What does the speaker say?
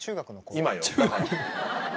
今よ。